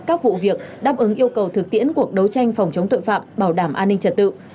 các vụ việc đáp ứng yêu cầu thực tiễn cuộc đấu tranh phòng chống tội phạm bảo đảm an ninh trật tự